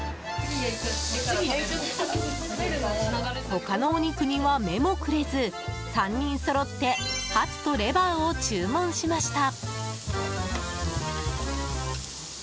他のお肉には目もくれず３人そろってハツとレバーを注文しました。